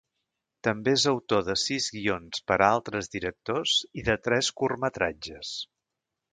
També és autor de sis guions per a altres directors i de tres curtmetratges.